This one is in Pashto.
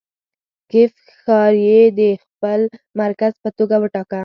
کیف ښاریې د خپل مرکز په توګه وټاکه.